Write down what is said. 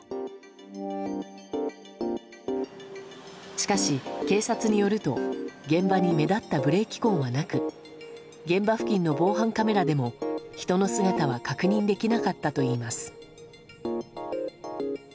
しかし、警察によると現場に目立ったブレーキ痕はなく現場付近の防犯カメラでも人の姿は確認できなかったといいます。